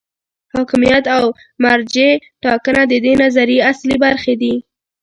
حاکمیت او مرجع ټاکنه د دې نظریې اصلي برخې دي.